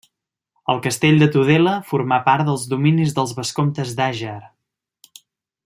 El castell de Tudela formà part dels dominis dels vescomtes d'Àger.